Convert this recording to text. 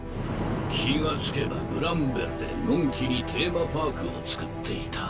気が付けばグランベルでのんきにテーマパークをつくっていた。